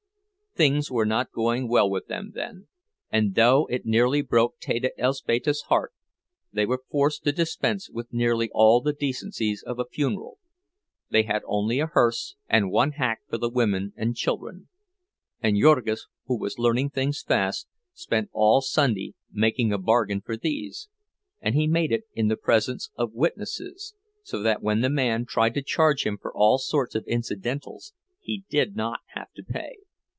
Things were not going well with them then, and though it nearly broke Teta Elzbieta's heart, they were forced to dispense with nearly all the decencies of a funeral; they had only a hearse, and one hack for the women and children; and Jurgis, who was learning things fast, spent all Sunday making a bargain for these, and he made it in the presence of witnesses, so that when the man tried to charge him for all sorts of incidentals, he did not have to pay.